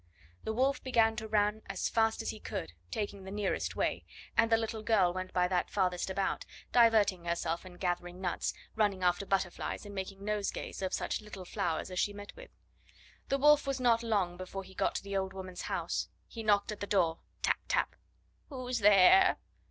The Wolf began to run as fast as he could, taking the nearest way, and the little girl went by that farthest about, diverting herself in gathering nuts, running after butterflies, and making nosegays of such little flowers as she met with. The Wolf was not long before he got to the old woman's house. He knocked at the door tap, tap. "Who's there?"